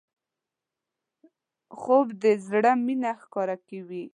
خوب د زړه مینه ښکاره کوي